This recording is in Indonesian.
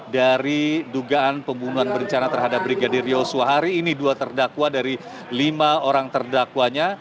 dari dugaan pembunuhan berencana terhadap brigadir yosua hari ini dua terdakwa dari lima orang terdakwanya